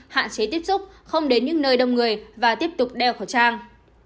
hạn chế tiếp xúc không đến những nơi đông người và tiếp tục đeo khẩu trang